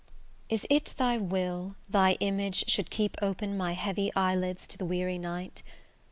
LXI Is it thy will, thy image should keep open My heavy eyelids to the weary night?